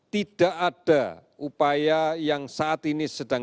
tidak ada upaya yang saat ini sedang